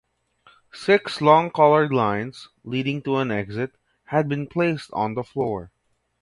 Six long colored lines, leading to an exit, had been placed on the floor.